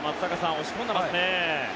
押し込んでますね。